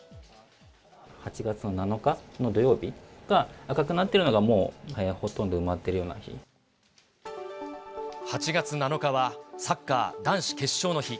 ８月の７日の土曜日が、赤くなっているのが、もうほとん８月７日はサッカー男子決勝の日。